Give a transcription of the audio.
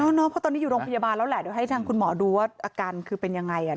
เพราะตอนนี้อยู่โรงพยาบาลแล้วแหละเดี๋ยวให้ทางคุณหมอดูว่าอาการคือเป็นยังไง